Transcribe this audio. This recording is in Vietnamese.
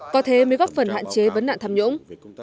có thế mới góp phần hạn chế vấn nạn tham nhũng